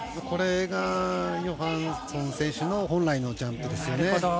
これがヨハンソン選手の本来のジャンプですよね。